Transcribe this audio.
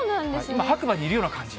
今、白馬にいるような感じ。